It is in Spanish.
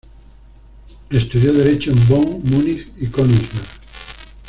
Estudió Derecho en Bonn, Múnich y Königsberg.